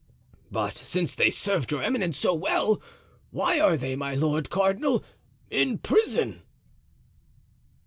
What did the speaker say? "But since they served your eminence so well, why are they, my lord cardinal, in prison?"